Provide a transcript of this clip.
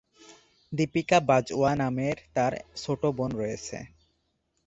দীপিকা বাজওয়া নামে তার ছোট বোন রয়েছে।